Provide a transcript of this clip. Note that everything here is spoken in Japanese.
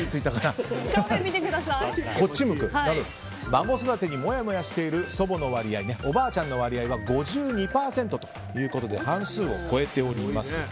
孫育てにもやもやしている祖母の割合は５２％ということで半数を超えております。